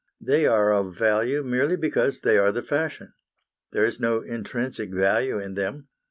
They are of value merely because they are the fashion. There is no intrinsic value in them.